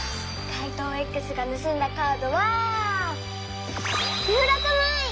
怪盗Ｘがぬすんだカードは１６まい！